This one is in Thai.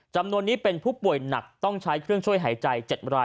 จำนวนนี้เป็นผู้ป่วยหนักต้องใช้เครื่องช่วยหายใจ๗ราย